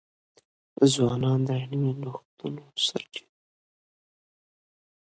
ځوانان د علمي نوښتونو سرچینه ده.